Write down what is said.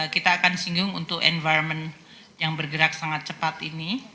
kita akan singgung untuk environment yang bergerak sangat cepat ini